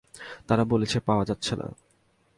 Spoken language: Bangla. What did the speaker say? তারা বলেছে পাওয়া যাচ্ছে না।